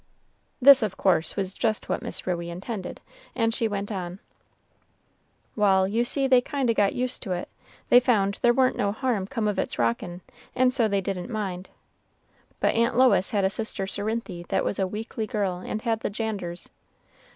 This, of course, was just what Miss Ruey intended, and she went on: "Wal', you see they kind o' got used to it; they found there wa'n't no harm come of its rockin', and so they didn't mind; but Aunt Lois had a sister Cerinthy that was a weakly girl, and had the janders.